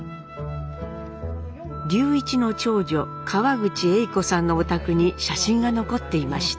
隆一の長女川口英子さんのお宅に写真が残っていました。